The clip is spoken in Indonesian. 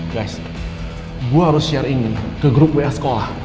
guys gue harus share ingin ke grup wa sekolah